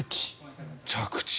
着地。